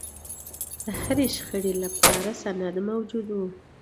د هرې شخړې لپاره سند موجود و.